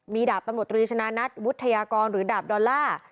มีดาบตำรวจตรีชนะนัทวุฒยากรหรือดาบดอลลาร์